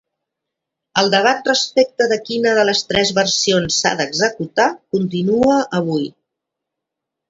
El debat respecte de quina de les tres versions s'ha d'executar, continua avui.